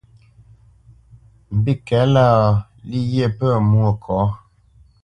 Mbîkɛ̌lâ, lî ghye pə̂ Mwôkɔ̌.